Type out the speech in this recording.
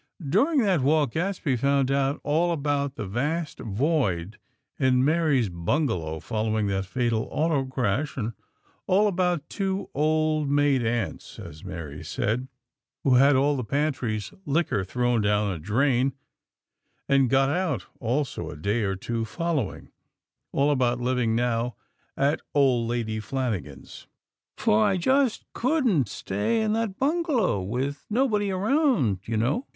During that walk Gadsby found out all about that vast void in Mary's bungalow following that fatal auto crash; and all about "two old maid aunts" as Mary said, who had all that pantry's liquor thrown down a drain and got out, also, a day or two following; all about living now at Old Lady Flanagan's. "... for I just couldn't stay in that bungalow, with nobody around, you know."